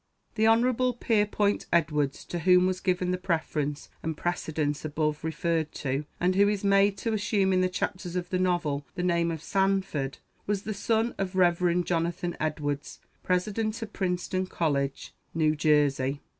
The Hon. Pierrepont Edwards, to whom was given the preference and precedence above referred to, and who is made to assume in the chapters of the novel the name of "Sanford," was the son of Rev. Jonathan Edwards, president of Princeton College, New Jersey.